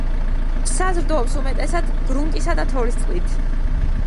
საზრდოობს უმეტესად გრუნტისა და თოვლის წყლით.